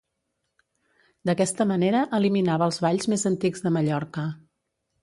D'aquesta manera eliminava els balls més antics de Mallorca.